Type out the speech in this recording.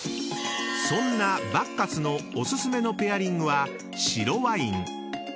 ［そんなバッカスのお薦めのペアリングは白ワイン］